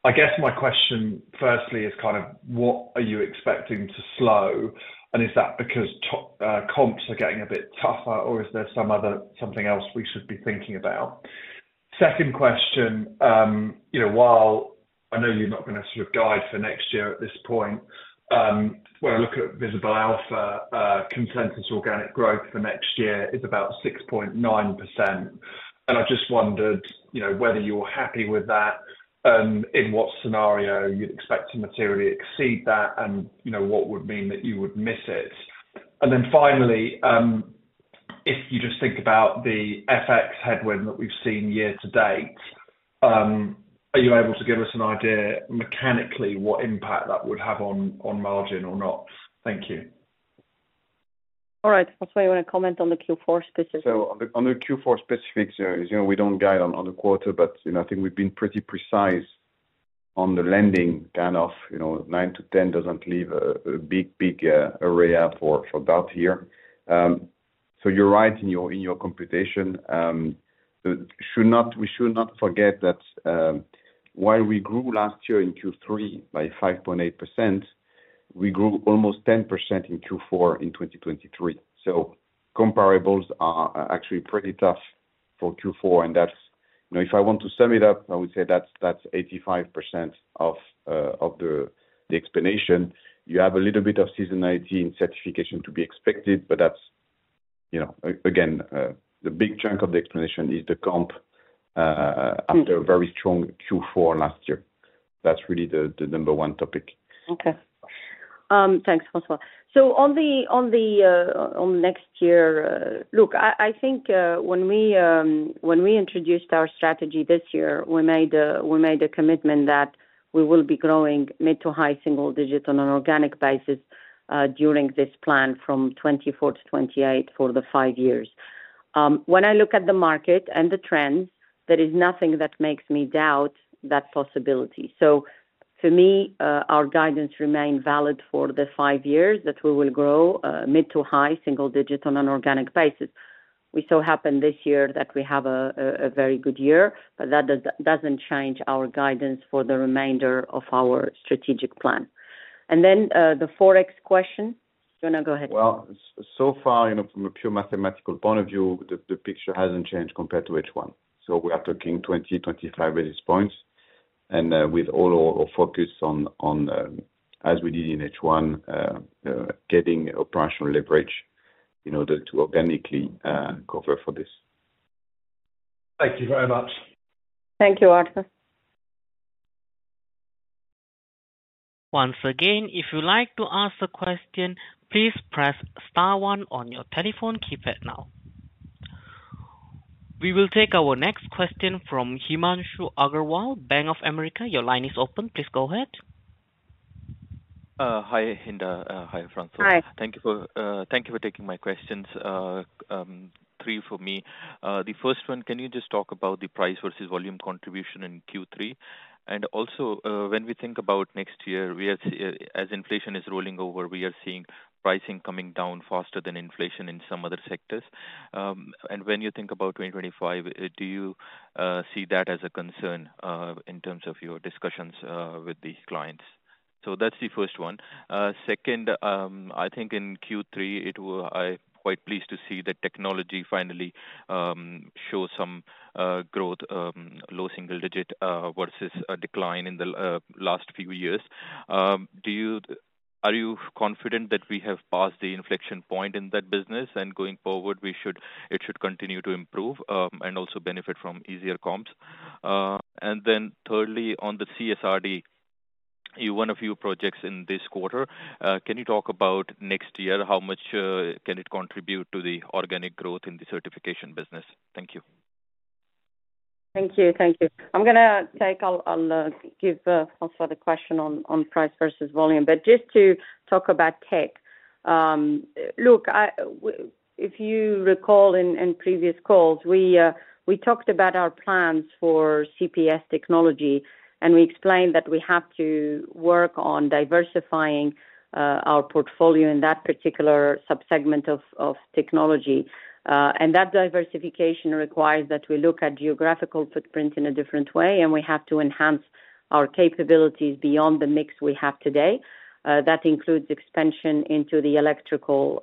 I guess my question, firstly, is kind of what are you expecting to slow? And is that because comps are getting a bit tougher, or is there something else we should be thinking about? Second question, you know, while I know you're not gonna sort of guide for next year at this point, when I look at Visible Alpha, consensus organic growth for next year is about 6.9%, and I just wondered, you know, whether you're happy with that, in what scenario you'd expect to materially exceed that, and, you know, what would mean that you would miss it? And then finally, if you just think about the FX headwind that we've seen year-to-date, are you able to give us an idea mechanically, what impact that would have on margin or not? Thank you. All right. François, you want to comment on the Q4 specifics? So on the Q4 specifics, as you know, we don't guide on the quarter, but you know, I think we've been pretty precise on the landing kind of, you know, nine to ten doesn't leave a big leeway for about a year. So you're right in your computation. But we should not forget that, while we grew last year in Q3 by 5.8%, we grew almost 10% in Q4 in 2023. So comparables are actually pretty tough for Q4, and that's, you know, if I want to sum it up, I would say that's 85% of the explanation. You have a little bit of seasonality in Certification to be expected, but that's, you know, again, the big chunk of the explanation is the comp after a very strong Q4 last year. That's really the number one topic. Okay. Thanks, François. So on next year, look, I think, when we introduced our strategy this year, we made a commitment that we will be growing mid- to high-single-digits on an organic basis during this plan from 2024 to 2028 for the five years. When I look at the market and the trends, there is nothing that makes me doubt that possibility. So to me, our guidance remain valid for the five years that we will grow mid- to high-single-digits on an organic basis. We so happen this year that we have a very good year, but that does not change our guidance for the remainder of our strategic plan. And then, the Forex question. Go ahead. Well, so far, you know, from a pure mathematical point of view, the picture hasn't changed compared to H1. So we are talking 20-25 basis points, and with all our focus on as we did in H1, getting operational leverage in order to organically cover for this. Thank you very much. Thank you, Arthur. Once again, if you'd like to ask a question, please press star one on your telephone keypad now. We will take our next question from Himanshu Agarwal, Bank of America. Your line is open. Please go ahead. Hi, Hinda. Hi, François. Hi. Thank you for, thank you for taking my questions. Three for me. The first one, can you just talk about the price versus volume contribution in Q3? And also, when we think about next year, we are see-- as inflation is rolling over, we are seeing pricing coming down faster than inflation in some other sectors. And when you think about twenty twenty-five, do you see that as a concern, in terms of your discussions, with the clients? So that's the first one. Second, I think in Q3, it will... I quite pleased to see that technology finally, show some growth, low single digit, versus a decline in the, last few years. Do you, are you confident that we have passed the inflection point in that business and going forward, we should- it should continue to improve, and also benefit from easier comps? And then thirdly, on the CSRD, you won a few projects in this quarter. Can you talk about next year? How much can it contribute to the organic growth in the Certification business? Thank you. Thank you. Thank you. I'm gonna take, I'll give also the question on price versus volume. But just to talk about tech, look, if you recall in previous calls, we talked about our plans for CPS technology, and we explained that we have to work on diversifying our portfolio in that particular subsegment of technology. And that diversification requires that we look at geographical footprint in a different way, and we have to enhance our capabilities beyond the mix we have today. That includes expansion into the electrical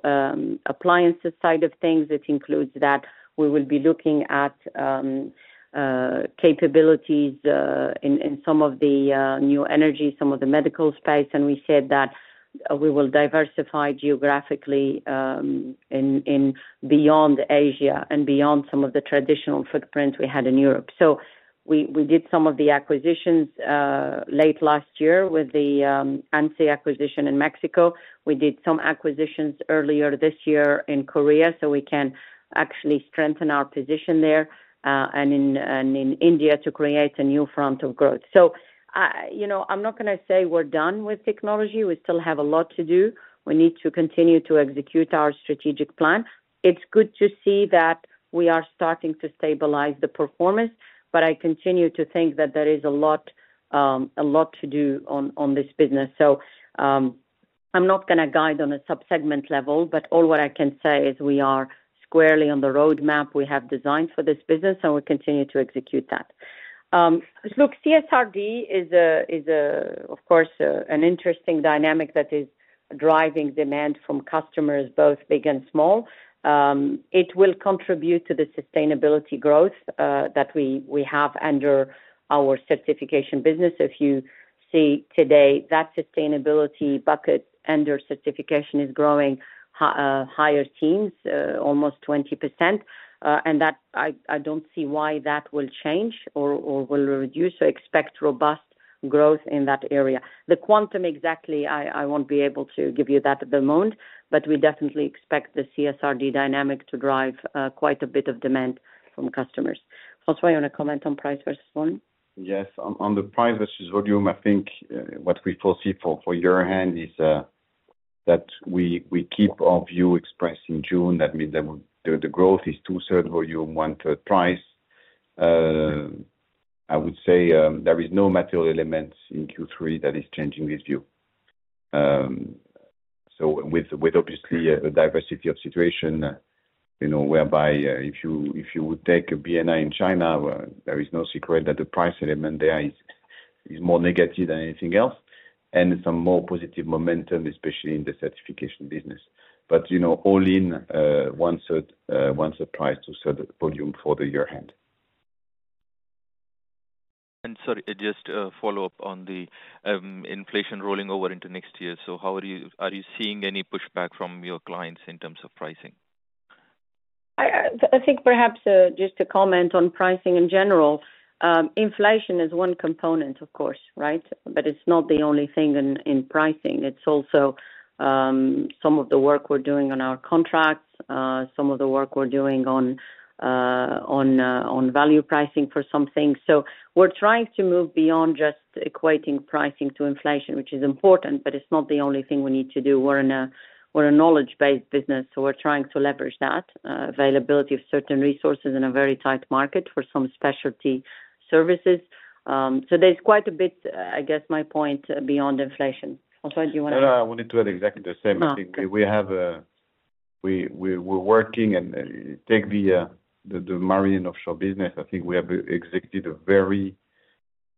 appliances side of things. It includes that we will be looking at capabilities in some of the new energy, some of the medical space, and we said that we will diversify geographically in beyond Asia and beyond some of the traditional footprints we had in Europe. So we did some of the acquisitions late last year with the ANCE acquisition in Mexico. We did some acquisitions earlier this year in Korea, so we can actually strengthen our position there and in India to create a new front of growth. So you know, I'm not gonna say we're done with technology. We still have a lot to do. We need to continue to execute our strategic plan. It's good to see that we are starting to stabilize the performance, but I continue to think that there is a lot to do on this business. So, I'm not gonna guide on a sub-segment level, but all what I can say is we are squarely on the roadmap we have designed for this business, and we continue to execute that. Look, CSRD is, of course, an interesting dynamic that is driving demand from customers, both big and small. It will contribute to the Sustainability growth that we have under our Certification business. If you see today, that Sustainability bucket under Certification is growing high teens, almost 20%, and that I don't see why that will change or will reduce or expect robust growth in that area. The quantum exactly, I won't be able to give you that at the moment, but we definitely expect the CSRD dynamic to drive quite a bit of demand from customers. François, you wanna comment on price versus volume? Yes. On the price versus volume, I think, what we foresee for year end is, that we keep our view expressed in June. That means that the growth is two-thirds volume, one-third price. I would say, there is no material elements in Q3 that is changing this view. So with obviously a diversity of situation, you know, whereby, if you would take a B&I in China, where there is no secret that the price element there is more negative than anything else, and some more positive momentum, especially in the Certification business. But, you know, all in, one-third price, two-thirds volume for the year end. And sorry, just a follow-up on the inflation rolling over into next year. So how are you? Are you seeing any pushback from your clients in terms of pricing? I think perhaps just to comment on pricing in general, inflation is one component of course, right? But it's not the only thing in pricing. It's also some of the work we're doing on our contracts, some of the work we're doing on value pricing for some things. So we're trying to move beyond just equating pricing to inflation, which is important, but it's not the only thing we need to do. We're a knowledge-based business, so we're trying to leverage that availability of certain resources in a very tight market for some specialty services. So there's quite a bit, I guess my point, beyond inflation. François, do you wanna- No, I wanted to add exactly the same thing. Oh, okay. We're working on the Marine & Offshore business. I think we have executed a very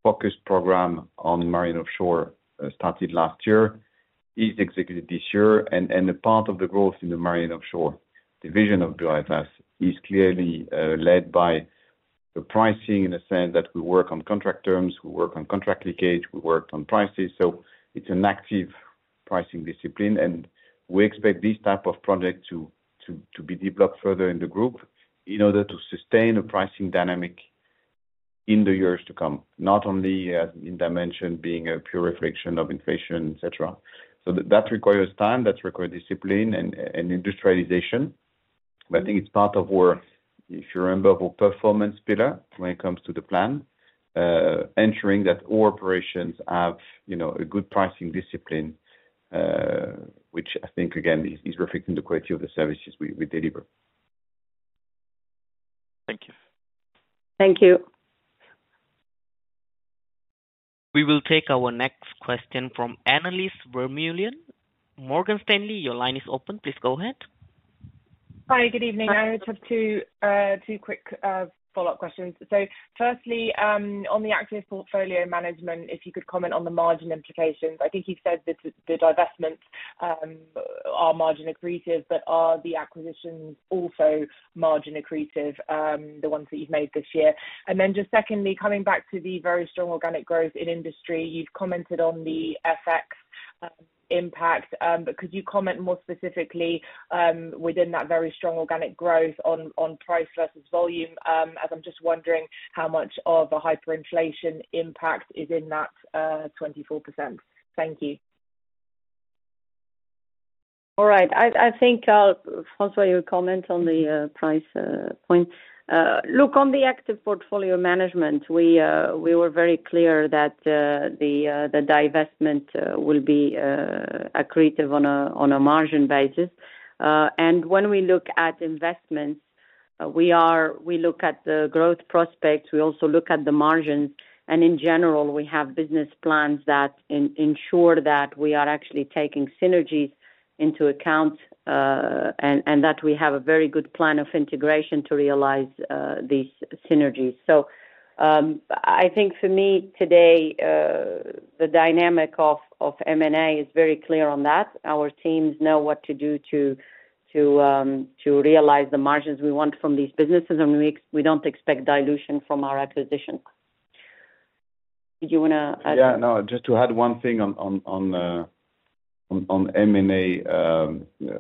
focused program on Marine & Offshore, started last year, executed this year. And a part of the growth in the Marine & Offshore division of Bureau Veritas is clearly led by the pricing, in the sense that we work on contract terms, we work on contract linkage, we worked on prices. So it's an active pricing discipline, and we expect this type of project to be developed further in the group in order to sustain a pricing dynamic in the years to come, not only as in dimension being a pure reflection of inflation, et cetera. So that requires time, that requires discipline and industrialization. But I think it's part of our... If you remember, our performance pillar when it comes to the plan, ensuring that all operations have, you know, a good pricing discipline, which I think again, is reflecting the quality of the services we deliver. Thank you. Thank you. We will take our next question from Annelies Vermeulen. Morgan Stanley, your line is open. Please go ahead. Hi, good evening. I just have two quick follow-up questions. So firstly, on the active portfolio management, if you could comment on the margin implications. I think you've said that the divestments are margin accretive, but are the acquisitions also margin accretive, the ones that you've made this year? And then just secondly, coming back to the very strong organic growth in Industry, you've commented on the FX impact. But could you comment more specifically, within that very strong organic growth on price versus volume? As I'm just wondering how much of a hyperinflation impact is in that 24%. Thank you. All right. I think I'll... François, you comment on the price point. Look, on the active portfolio management, we were very clear that the divestment will be accretive on a margin basis. And when we look at investments, we look at the growth prospects, we also look at the margins, and in general, we have business plans that ensure that we are actually taking synergies into account, and that we have a very good plan of integration to realize these synergies. So, I think for me today, the dynamic of M&A is very clear on that. Our teams know what to do to realize the margins we want from these businesses, and we don't expect dilution from our acquisition. Did you wanna add? Yeah, no, just to add one thing on M&A.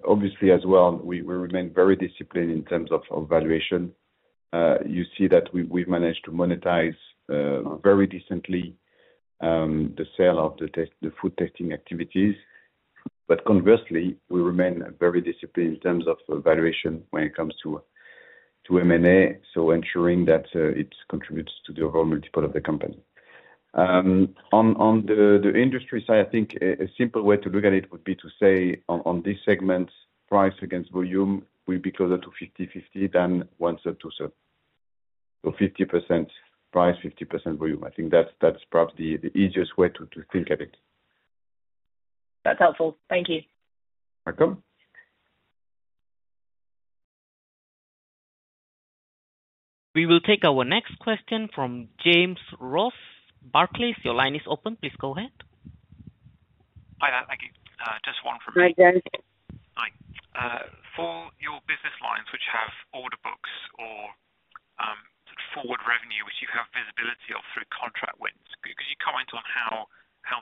Obviously as well, we remain very disciplined in terms of valuation. You see that we've managed to monetize very decently the sale of the food testing activities. But conversely, we remain very disciplined in terms of valuation when it comes to M&A, so ensuring that it contributes to the overall multiple of the company. On the Industry side, I think a simple way to look at it would be to say on this segment, price against volume will be closer to fifty-fifty than one-third, two-third. So 50% price, 50% volume. I think that's perhaps the easiest way to think of it. That's helpful. Thank you. Welcome. We will take our next question from James Ross, Barclays. Your line is open. Please go ahead. Hi there. Thank you. Just one from me. Hi, James. Hi. For your business lines, which have order books or, forward revenue, which you have visibility of through contract wins, could you comment on how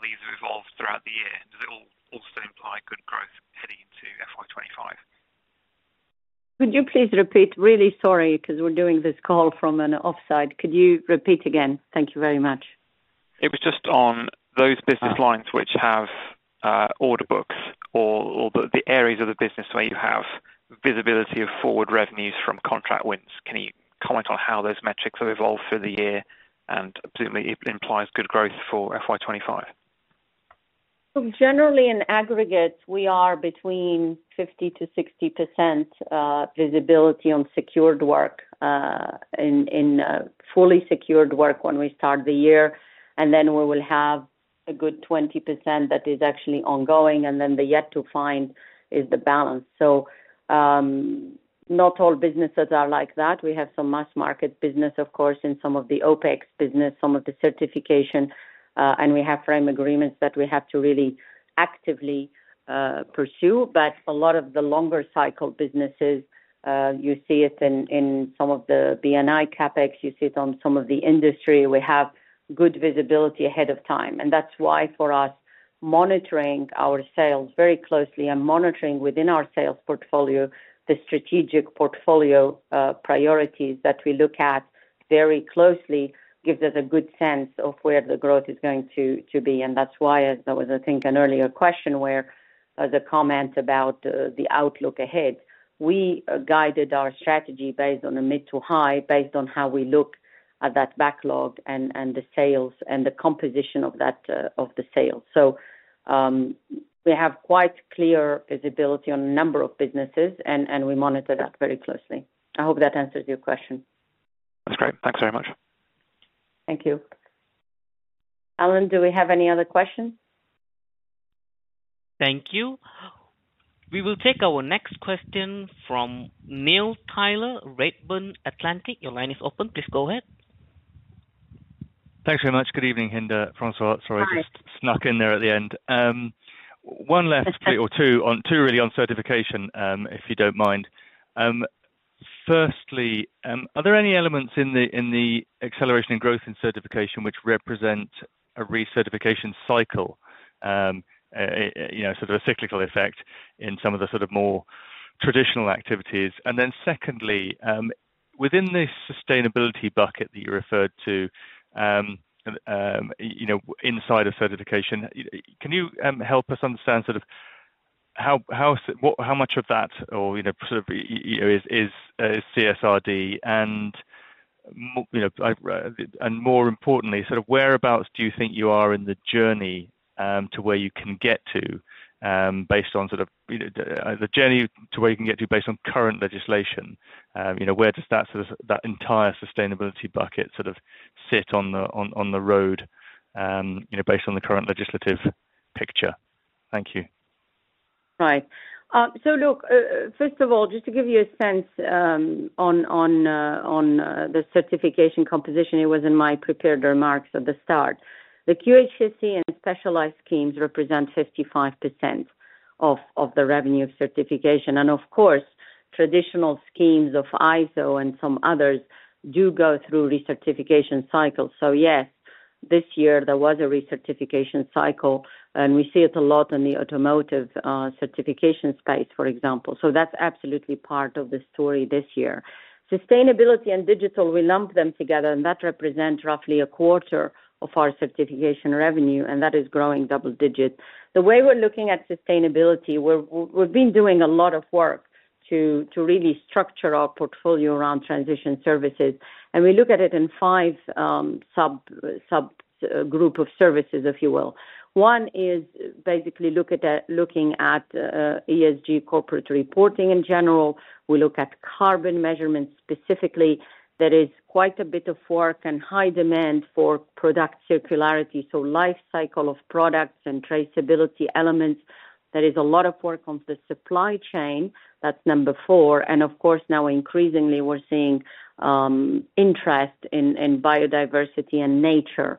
these have evolved throughout the year? Does it-... Could you please repeat? Really sorry, because we're doing this call from an offsite. Could you repeat again? Thank you very much. It was just on those business lines which have order books or the areas of the business where you have visibility of forward revenues from contract wins. Can you comment on how those metrics have evolved through the year? Presumably, it implies good growth for FY 2025. Generally, in aggregate, we are between 50%-60% visibility on secured work, in fully secured work when we start the year, and then we will have a good 20% that is actually ongoing, and then the yet to find is the balance. Not all businesses are like that. We have some mass market business, of course, in some of the OpEx business, some of the Certification, and we have frame agreements that we have to really actively pursue. A lot of the longer cycle businesses, you see it in some of the B&I CapEx, you see it on some of the Industry. We have good visibility ahead of time, and that's why for us, monitoring our sales very closely and monitoring within our sales portfolio, the strategic portfolio, priorities that we look at very closely, gives us a good sense of where the growth is going to be. And that's why, as there was, I think, an earlier question where the comment about the outlook ahead, we guided our strategy based on a mid to high, based on how we look at that backlog and the sales and the composition of that of the sales. So, we have quite clear visibility on a number of businesses, and we monitor that very closely. I hope that answers your question. That's great. Thanks very much. Thank you. Alan, do we have any other questions? Thank you. We will take our next question from Neil Tyler, Redburn Atlantic. Your line is open. Please go ahead. Thanks very much. Good evening, Hinda, François. Sorry- Hi. I just snuck in there at the end. One last or two on-- two really on Certification, if you don't mind. Firstly, are there any elements in the, in the acceleration and growth in Certification which represent a recertification cycle, you know, sort of a cyclical effect in some of the sort of more traditional activities? And then secondly, within this Sustainability bucket that you referred to, and, you know, inside of Certification, can you help us understand sort of how much of that or, you know, sort of, you know, is CSRD? And more importantly, sort of whereabouts do you think you are in the journey to where you can get to, based on sort of, you know, the journey to where you can get to, based on current legislation? You know, where does that, sort of, that entire Sustainability bucket sort of fit on the road, you know, based on the current legislative picture? Thank you. Right. So look, first of all, just to give you a sense, on the Certification composition, it was in my prepared remarks at the start. The QHSE and specialized schemes represent 55% of the revenue of Certification. And of course, traditional schemes of ISO and some others do go through recertification cycles. So yes, this year there was a recertification cycle, and we see it a lot in the automotive certification space, for example. So that's absolutely part of the story this year. Sustainability and digital, we lump them together, and that represents roughly a quarter of our Certification revenue, and that is growing double digit. The way we're looking at Sustainability, we've been doing a lot of work to really structure our portfolio around transition services, and we look at it in five subgroup of services, if you will. One is basically looking at ESG corporate reporting in general. We look at carbon measurements specifically. There is quite a bit of work and high demand for product circularity, so life cycle of products and traceability elements. There is a lot of work on the supply chain. That's number four, and of course, now increasingly, we're seeing interest in biodiversity and nature,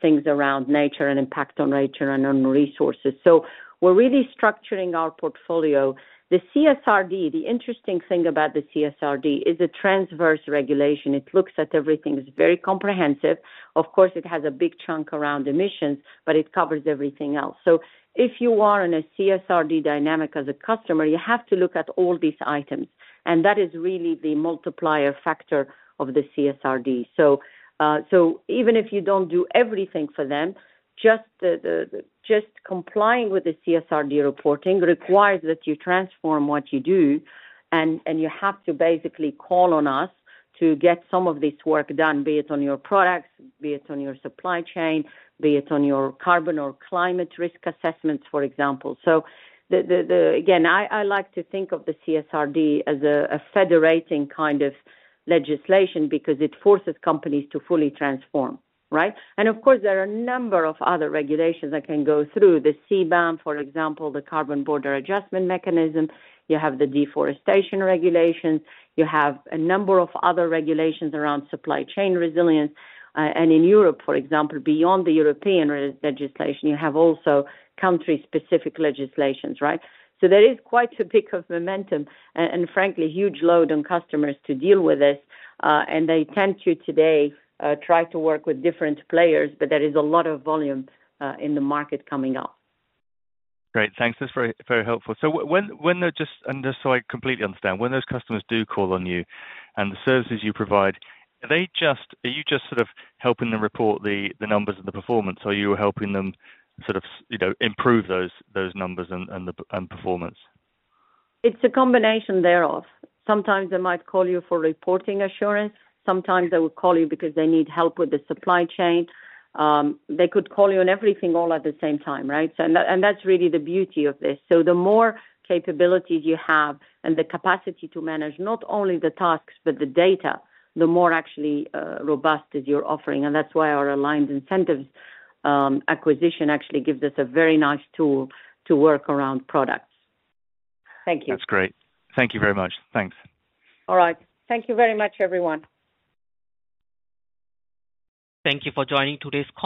things around nature and impact on nature and on resources, so we're really structuring our portfolio. The CSRD, the interesting thing about the CSRD is a transverse regulation. It looks at everything. It's very comprehensive. Of course, it has a big chunk around emissions, but it covers everything else. So if you are in a CSRD dynamic as a customer, you have to look at all these items, and that is really the multiplier factor of the CSRD. So even if you don't do everything for them, just complying with the CSRD reporting requires that you transform what you do, and you have to basically call on us to get some of this work done, be it on your products, be it on your supply chain, be it on your carbon or climate risk assessments, for example. So again, I like to think of the CSRD as a federating kind of legislation because it forces companies to fully transform, right? And of course, there are a number of other regulations that can go through. The CBAM, for example, the Carbon Border Adjustment Mechanism. You have the deforestation regulations. You have a number of other regulations around supply chain resilience. And in Europe, for example, beyond the European regulation, you have also country-specific legislations, right? So there is quite a bit of momentum and frankly, huge load on customers to deal with this, and they tend to today try to work with different players, but there is a lot of volume in the market coming up. Great. Thanks. That's very, very helpful. So when the... Just, and just so I completely understand, when those customers do call on you and the services you provide, are they just-- are you just sort of helping them report the numbers and the performance, or you are helping them sort of, you know, improve those numbers and performance? It's a combination thereof. Sometimes they might call you for reporting assurance. Sometimes they will call you because they need help with the supply chain. They could call you on everything all at the same time, right? So and, and that's really the beauty of this. So the more capabilities you have and the capacity to manage not only the tasks but the data, the more actually, robust is your offering. And that's why our Aligned Incentives acquisition actually gives us a very nice tool to work around products. Thank you. That's great. Thank you very much. Thanks. All right. Thank you very much, everyone. Thank you for joining today's call.